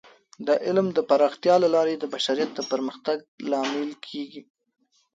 د علم د پراختیا له لارې د بشریت د پرمختګ لامل کیږي.